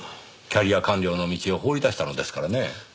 キャリア官僚の道を放り出したのですからねぇ。